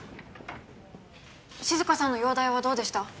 静香さんの容体はどうでした？